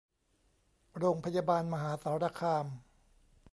โรงพยาบาลมหาสารคาม